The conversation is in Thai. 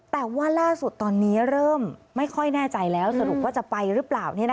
แต่ว่าล่าสุดตอนนี้เริ่มไม่ค่อยแน่ใจแล้วสรุปว่าจะไปหรือเปล่า